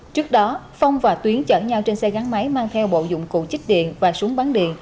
trước đó phong và tuyến chở nhau trên xe gắn máy mang theo bộ dụng cụ chích điện và súng bắn điện